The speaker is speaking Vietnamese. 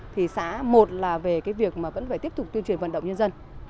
thì xã một là về cái việc mà vẫn phải tiếp tục tuyên truyền vận động nhân dân